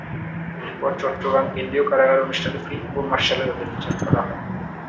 এরপর চট্টগ্রাম কেন্দ্রীয় কারাগারে অনুষ্ঠিত ফিল্ড কোর্ট মার্শালে তাঁদের বিচার করা হয়।